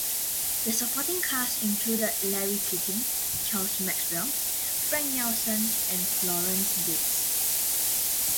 The supporting cast included Larry Keating, Charles Maxwell, Frank Nelson, and Florence Bates.